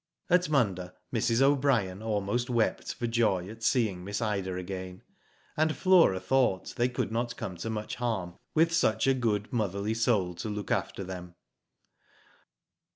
At Munda Mrs. O'Brien almost wept for joy at seeing Miss Ida again^ and Flora thought they could not come to much harm with such a good motherly soul to look after them.